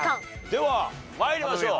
では参りましょう。